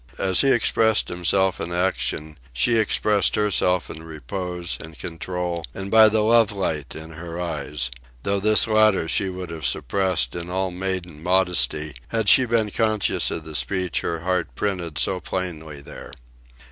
As he expressed himself in action, she expressed herself in repose and control, and by the love light in her eyes though this latter she would have suppressed in all maiden modesty had she been conscious of the speech her heart printed so plainly there.